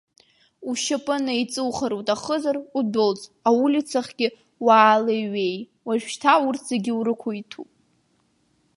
Ушьапы неиҵухыр уҭахызар, ундәылҵ, аулицахьгьы уаалеиҩеи, уажәшьҭа урҭ зегь урықәиҭуп.